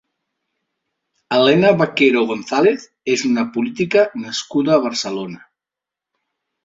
Elena Baquero González és una política nascuda a Barcelona.